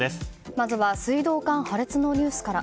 まずは水道管破裂のニュースから。